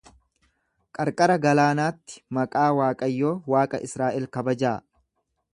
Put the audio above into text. Qarqara galaanaatti maqaa Waaqayyo Waaqa Israa'el kabajaa.